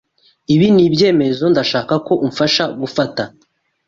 Ibi nibyemezo ndashaka ko umfasha gufata.